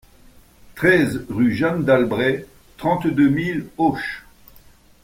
treize rue Jeanne d'Albret, trente-deux mille Auch